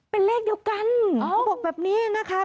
เป็นเลขเดียวกันเขาบอกแบบนี้นะคะ